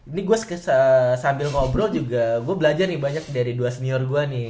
ini gue sambil ngobrol juga gue belajar nih banyak dari dua senior gue nih